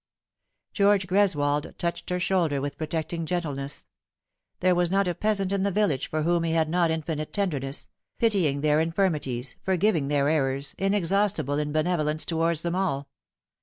George Greswold touched her shoulder with protecting gen tleness. There was not a peasant in the village for whom he had not infinite tenderness pitying their infirmities, forgiving their errors, inexhaustible in benevolence towards them all.